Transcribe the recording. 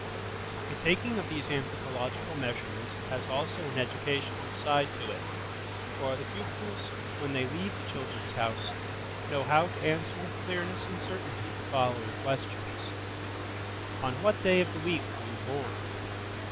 The taking of these anthropological measurements has also an educational side to it, for the pupils, when they leave the "Children's House", know how to answer with clearness and certainty the following questions:– On what day of the week were you born?